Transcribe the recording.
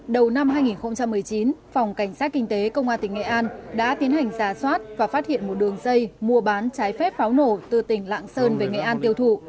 đầu năm hai nghìn một mươi chín phòng cảnh sát kinh tế công an tỉnh nghệ an đã tiến hành giả soát và phát hiện một đường dây mua bán trái phép pháo nổ từ tỉnh lạng sơn về nghệ an tiêu thụ